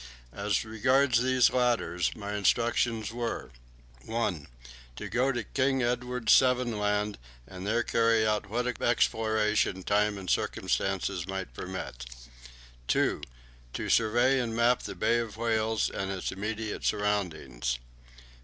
As regards these latter, my instructions were 1. To go to King Edward VII. Land, and there carry out what exploration time and circumstances might permit. 2. To survey and map the Bay of Whales and its immediate surroundings.